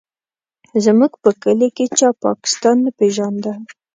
زموږ په کلي کې چا پاکستان نه پېژانده.